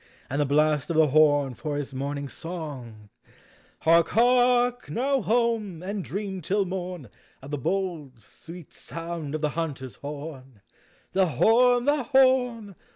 And the blast of the horn for his morning song? Hark, hark! — Xovj home! and dream till mom Of the hold, sweet sound of l lie hunter's horn! The horn, — the horn!